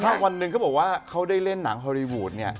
ถ้าวันหนึ่งเขาบอกว่าเขาได้เล่นหนังฮอลลีวูดเนี่ย